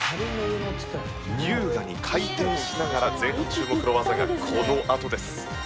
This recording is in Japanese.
優雅に回転しながら前半注目の技がこのあとです。